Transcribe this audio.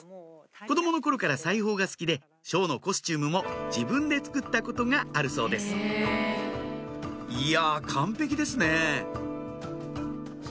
子供の頃から裁縫が好きでショーのコスチュームも自分で作ったことがあるそうですいや完璧ですね